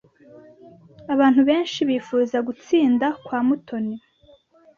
Abantu benshi bifuza gutsinda kwa Mutoni.